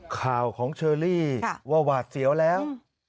ข่าวของเชอรี่ว่าหวาดเสียวแล้ว